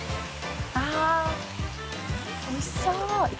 あおいしそう。